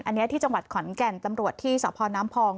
อันนี้ที่จังหวัดขอนแก่นตำรวจที่สพน้ำพอง